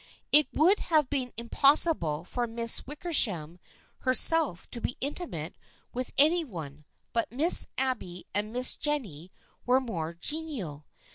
It would have been impossible for Miss Wickersham herself to be " intimate " with any one, but Miss Abby and Miss Jennie were more genial.